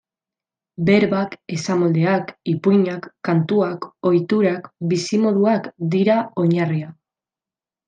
Berbak, esamoldeak, ipuinak, kantuak, ohiturak, bizimoduak... dira oinarria.